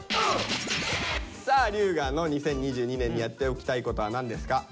さあ龍我の「２０２２年にやっておきたいこと」は何ですか？